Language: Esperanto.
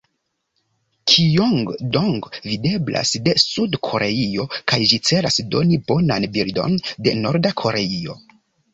Kijong-dong videblas de Sud-Koreio kaj ĝi celas doni bonan bildon de Norda Koreio.